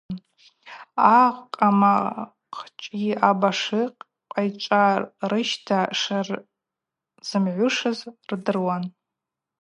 Акъама хъчӏви абашлыкъ квайчӏви рыщта шырзымгӏвушыз рдыруан.